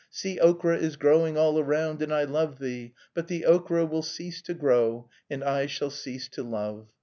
See ochra is growing all around and I love thee; but the ochra will cease to grow, and I shall cease to love.'"